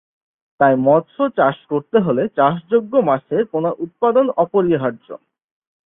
তাই মৎস্য চাষ করতে হলে চাষযোগ্য মাছের পোনা উৎপাদন অপরিহার্য।